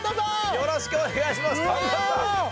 よろしくお願いします。